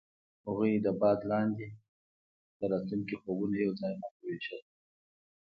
هغوی د باد لاندې د راتلونکي خوبونه یوځای هم وویشل.